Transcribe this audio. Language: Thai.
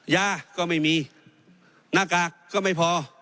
ยาก็ไม่มีหน้ากากก็ไม่พอ